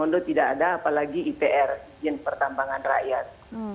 pondok tidak ada apalagi ipr izin pertambangan rakyat